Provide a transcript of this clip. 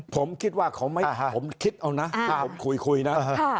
ผมคิดว่าเขาไม่ผมคิดเอานะผมคุยนะ